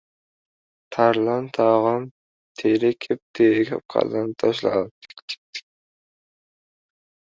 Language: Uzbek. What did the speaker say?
Tarlon tag‘in terib-terib qadam tashladi: tik-tik-tik!